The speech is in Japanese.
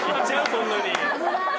そんなに。